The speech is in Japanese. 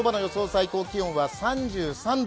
最高気温は３３度。